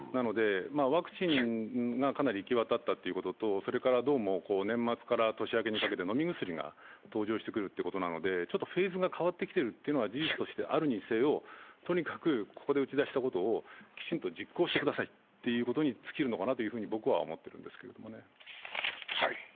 ワクチンがかなり行き渡ったということと年末から年明けにかけて飲み薬が登場してくるということなのでフェーズが変わってきているというのは事実としてあるにせよとにかくここで打ち出したことをきちんと実行してくださいということに尽きるのかなというふうに僕は思っているんですけどね。